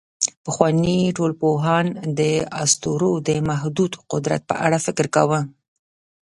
پخواني ټولنپوهان د اسطورو د محدود قدرت په اړه فکر کاوه.